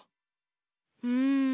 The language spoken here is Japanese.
うん。